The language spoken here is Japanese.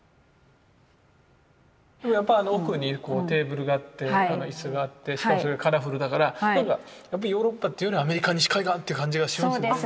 やっぱり奥にテーブルがあって椅子があってしかもそれがカラフルだからなんかやっぱりヨーロッパというよりアメリカ西海岸という感じがしますよね。